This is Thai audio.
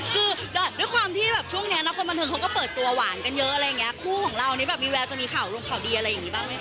คือด้วยความที่แบบช่วงเนี้ยนะคนบันเทิงเขาก็เปิดตัวหวานกันเยอะอะไรอย่างเงี้คู่ของเรานี่แบบมีแววจะมีข่าวลงข่าวดีอะไรอย่างนี้บ้างไหมค